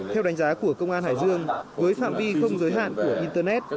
theo đánh giá của công an hải dương với phạm vi không giới hạn của internet